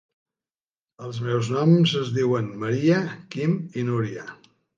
Els meus noms es diuen Maria, Quim i Núria.